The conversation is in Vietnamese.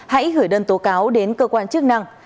hãy gửi đơn tố cáo đến cơ quan chức năng